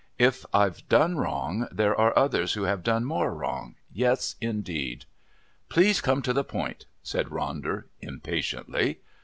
If I've done wrong, there are others who have done more wrong yes, indeed." "Please come to the point," said Ronder impatiently.